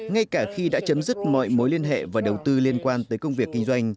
ngay cả khi đã chấm dứt mọi mối liên hệ và đầu tư liên quan tới công việc kinh doanh